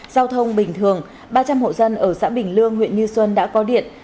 giao thông bình thường ba trăm linh hộ dân ở xã bình lương huyện như xuân đã có điện